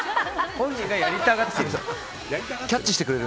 本人がやりたがってる。